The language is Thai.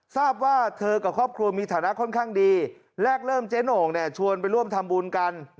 ทราบว่าเธอกับครอบครัวมีฐานะค่อนข้างดีแรกเริ่มเจ๊โหน่งชวนไปร่วมทำบุญกัน